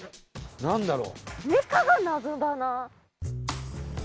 何だろう？